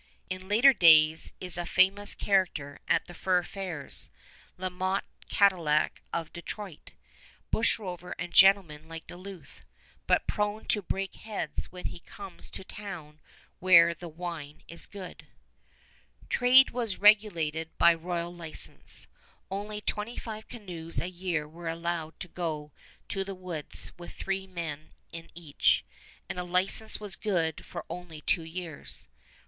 In later days is a famous character at the Fur Fairs La Motte Cadillac of Detroit, bushrover and gentleman like Duluth, but prone to break heads when he comes to town where the wine is good. [Illustration: PLAN OF MONTREAL IN 1672] Trade was regulated by royal license. Only twenty five canoes a year were allowed to go to the woods with three men in each, and a license was good for only two years.